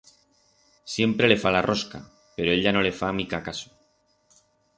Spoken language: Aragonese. Siempre le fa la rosca, pero ella no le fa mica caso.